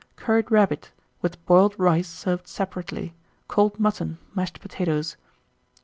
Curried rabbit, with boiled rice served separately, cold mutton, mashed potatoes.